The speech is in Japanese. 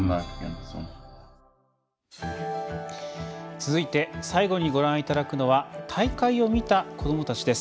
続いて最後にご覧いただくのは大会を見た子どもたちです。